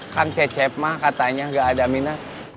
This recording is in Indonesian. kan cecep mah katanya gak ada minat